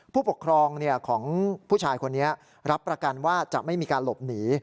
ผู้ปกครองของผู้ชายคนนี้รับประกันว่าจะไม่มีการหลบหนี